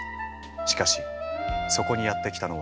しかしそこにやって来たのは。